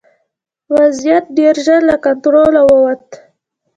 وضعیت ډېر ژر له کنټروله ووت.